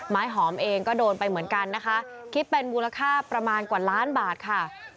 ไม้หอมเองก็โดนไปเหมือนกันนะคะคิดเป็นมูลค่าประมาณกว่าล้านบาทค่ะ